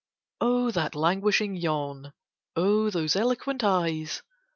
O that languishing yawn! O those eloquent eyes!